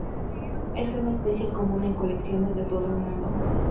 Es una especie común en colecciones de todo el mundo.